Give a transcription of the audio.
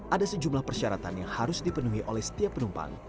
ada sejumlah persyaratan yang harus dipenuhi oleh setiap penumpang